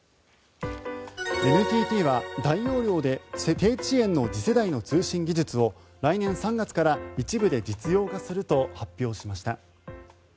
ＮＴＴは大容量で低遅延の次世代の通信技術を来年３月から一部で実用化すると発表しました。